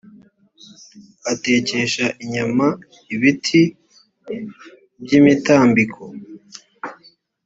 atekesha inyama ibiti by imitambiko